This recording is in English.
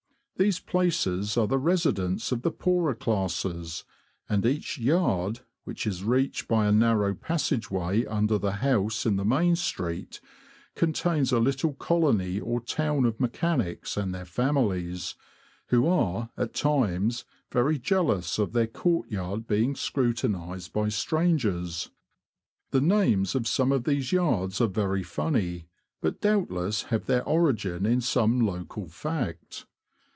These places are the residence of the poorer classes, and each ''yard,'' which is reached by a narrow passage way under the house in the main street, contains a little colony or town of mechanics and their families, who are, at times, very jealous of their courtyard being scrutinised by strangers. The names of some of these yards are very funny, but doubtless have their origin in some local fact.